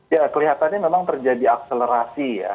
ya kelihatannya memang terjadi akselerasi ya